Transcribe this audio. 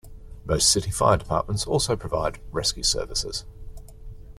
Most city fire departments also provide rescue services.